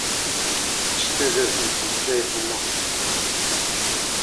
Teẓṛamt anda i d-ilul?